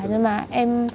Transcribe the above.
nhưng mà em